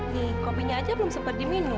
nih kopinya aja belum sempat diminum